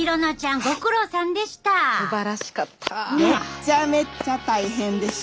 めちゃめちゃ大変でした。